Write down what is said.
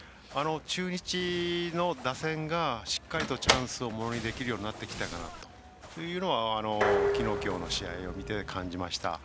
中日の打線がしっかりとチャンスをものにできるようになってきたかなというのはきのう、きょうの試合を見て感じました。